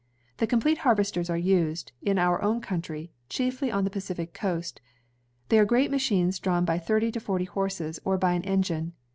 The complete harvesters are used, in our own country, chiefly on the Pacific Coast, They are great machines drawn by thirty to forty horses, or by an engine.